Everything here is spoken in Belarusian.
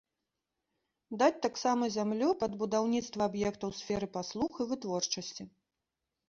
Даць таксама зямлю пад будаўніцтва аб'ектаў сферы паслуг і вытворчасці.